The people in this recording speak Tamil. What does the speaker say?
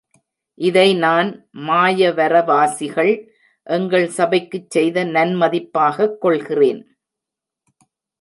இதை நான் மாயவரவாசிகள் எங்கள் சபைக்குச் செய்த நன் மதிப்பாகக் கொள்கிறேன்.